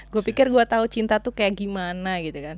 gue pikir gue tau cinta tuh kayak gimana gitu kan